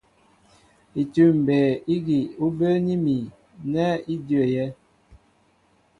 Itʉ̂m mbey ígi ú bə́ə́ní mi nɛ í ndyə́yɛ́.